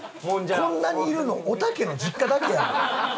こんなにいるのおたけの実家だけや。